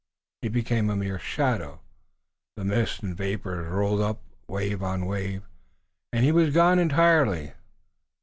He became a mere shadow, the mists and vapors rolled up wave on wave, and he was gone entirely.